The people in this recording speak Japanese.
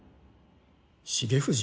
重藤？